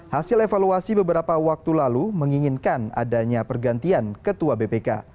hasil evaluasi beberapa waktu lalu menginginkan adanya pergantian ketua bpk